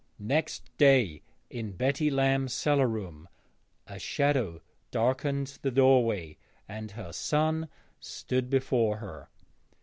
Next day in Betty Lamb's cellar room a shadow darkened the doorway, and her son stood before her.